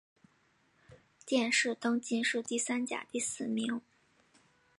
殿试登进士第三甲第四名。